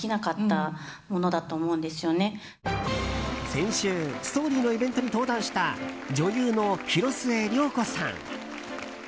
先週、「ＳＴＯＲＹ」のイベントに登壇した女優の広末涼子さん。